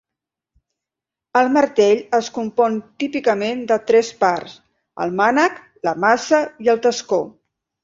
El martell es compon típicament de tres parts: el mànec, la maça i el tascó.